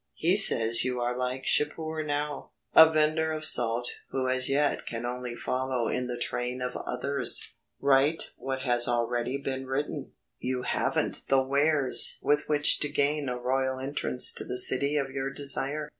He says you are like Shapur now, a vendor of salt who as yet can only follow in the train of others write what has already been written. You haven't the wares with which to gain a royal entrance to the City of your Desire.